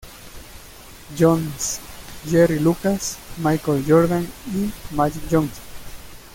Jones, Jerry Lucas, Michael Jordan y Magic Johnson.